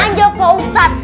tenang aja pak ustadz